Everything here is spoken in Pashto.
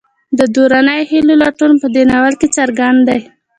د دروني هیلو لټون په دې ناول کې څرګند دی.